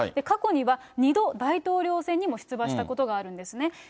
過去には、２度、大統領選にも出馬したことがあるんですね。